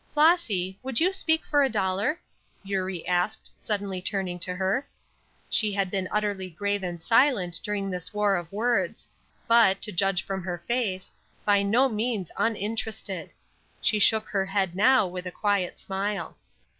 "Flossy, would you speak for a dollar?" Eurie asked, suddenly turning to her. She had been utterly grave and silent during all this war of words, but, to judge from her face, by no means uninterested. She shook her head now, with a quiet smile.